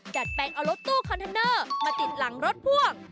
แปลงเอารถตู้คอนเทนเนอร์มาติดหลังรถพ่วง